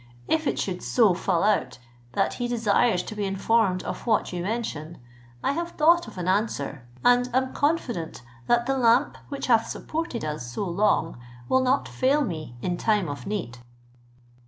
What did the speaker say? If it should so fall out, that he desires to be informed of what you mention, I have thought of an answer, and am confident that the lamp which hath supported us so long will not fail me in time of need."